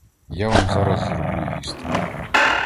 Я вам зараз зроблю їсти.